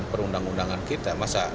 dan perundang undangan kita masa